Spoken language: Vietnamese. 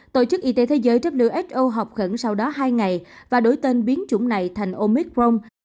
tổ chức y tế thế giới who học khẩn sau đó hai ngày và đổi tên biến chủng này thành omicron